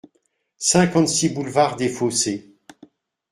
cinquante-six boulevard des Fossés